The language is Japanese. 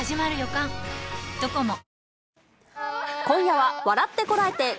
今夜は笑ってコラえて！